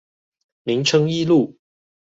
明誠一路